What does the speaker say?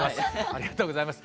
ありがとうございます。